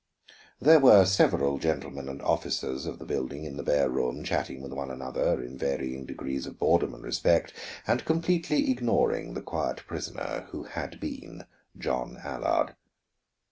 There were several gentlemen and officers of the building in the bare room, chatting with one another in varying degrees of boredom and interest, and completely ignoring the quiet prisoner who had been John Allard.